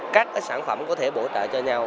các sản phẩm có thể bổ trợ cho nhau